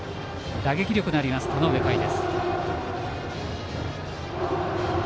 打撃力のある田上夏衣。